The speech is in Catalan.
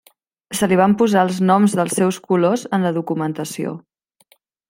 Se li van posar els noms dels seus colors en la documentació.